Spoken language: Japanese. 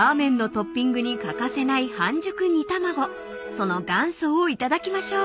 ［その元祖を頂きましょう］